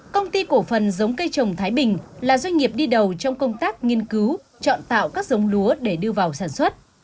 công ty cổ phần giống cây trồng thái bình là doanh nghiệp đi đầu trong công tác nghiên cứu chọn tạo các giống lúa để đưa vào sản xuất